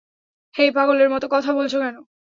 হেই, পাগলের মত কথা বলছো কেন?